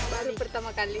baru pertama kali